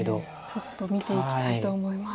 ちょっと見ていきたいと思います。